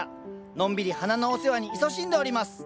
のんびり花のお世話にいそしんでおります